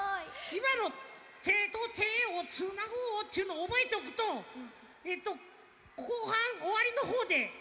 いまの「手と手をつなごう」っていうのおぼえておくとえっとこうはんおわりのほうでたのしいです！